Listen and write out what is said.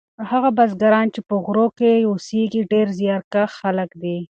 هغه بزګران چې په غرو کې اوسیږي ډیر زیارکښ خلک دي.